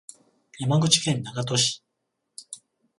山口県長門市